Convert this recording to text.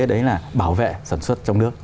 đấy là bảo vệ sản xuất trong nước